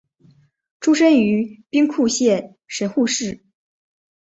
出身于兵库县神户市。